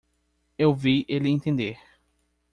Eu vi ele entender.